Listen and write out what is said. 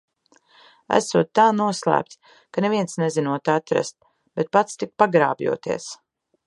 Esot tā noslēpts, ka neviens nezinot atrast, bet pats tik pagrābjoties.